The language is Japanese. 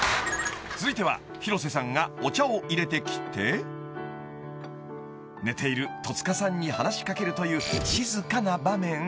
［続いては広瀬さんがお茶を入れてきて寝ている戸塚さんに話し掛けるという静かな場面］